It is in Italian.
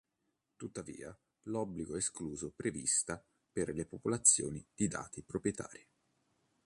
Tuttavia, l'obbligo è escluso prevista per le popolazioni di dati proprietarie.